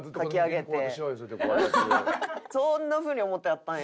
そんなふうに思ってはったんや。